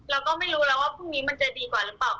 เราก็ไม่รู้แล้วว่าพรุ่งนี้มันจะดีกว่าหรือเปล่า